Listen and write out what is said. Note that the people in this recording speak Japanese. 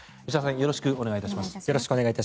よろしくお願いします。